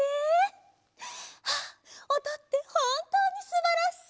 ああおとってほんとうにすばらしい！